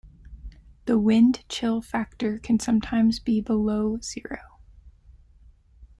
The wind chill factor can sometimes be below zero.